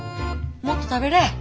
もっと食べれ。